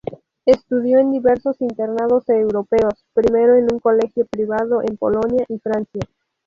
Estudió en diversos internados europeos, primero en un colegio privado en Polonia y Francia.